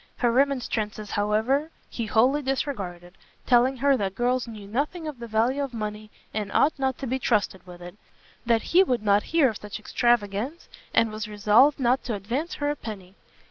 Her remonstrances, however, he wholly disregarded, telling her that girls knew nothing of the value of money, and ought not to be trusted with it; that he would not hear of such extravagance, and was resolved not to advance her a penny.